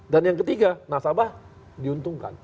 dan yang ketiga nasabah diuntungkan